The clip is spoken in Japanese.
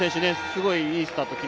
すごい、いいスタートを